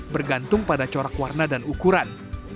bergantung pada corak warna dan ukuran